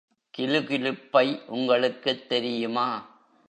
கிலுகிலுப்பை உங்களுக்குத் தெரியுமா?